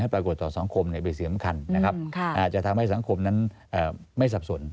ให้ปรากฏต่อสังคมไปเสื่อมคันนะครับจะทำให้สังคมนั้นไม่สับสน